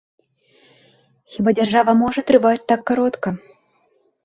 Хіба дзяржава можа трываць так каротка?